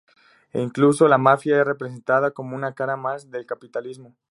Incluso la mafia es representada como una cara más del capitalismo.